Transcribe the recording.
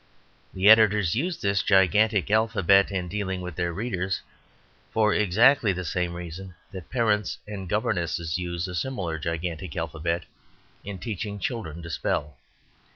The editors use this gigantic alphabet in dealing with their readers, for exactly the same reason that parents and governesses use a similar gigantic alphabet in teaching children to spell.